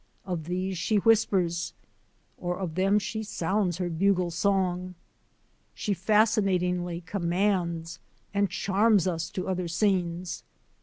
Of these she whispers, or of them she sounds her bugle song. She fascinat ingly commands and charms us to other scenes.